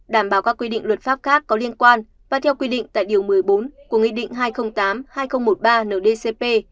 đảm bảo các quy định luật pháp khác có liên quan và theo quy định tại điều một mươi bốn của nghị định hai trăm linh tám hai nghìn một mươi ba ndcp